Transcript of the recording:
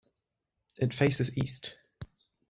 It faces east.